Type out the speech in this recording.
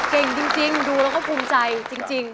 เก่งจริงดูแล้วก็ภูมิใจจริง